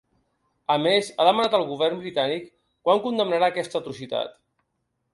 A més, ha demanat al govern britànic quan condemnarà ‘aquesta atrocitat’.